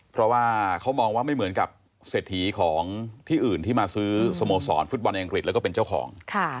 เพราะว่าเขามองว่าไม่เหมือนกับเศรษฐีของที่อื่นที่มาซื้อสโมสรฟุตบอลในอังกฤษแล้วก็เป็นเจ้าของ